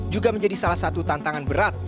juga menjadi salah satu tantangan berat